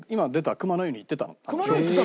熊の湯行ってたの？